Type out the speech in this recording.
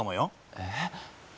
えっ？